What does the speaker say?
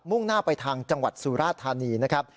่งหน้าไปทางจังหวัดสุราธานีนะครับ